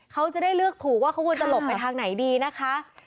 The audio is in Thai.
เขาจะได้เลือกถูกว่าเขาควรจะหลบไปทางไหนดีนะคะ